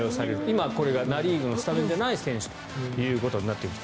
今、これがナ・リーグのスタメンじゃない選手となっています。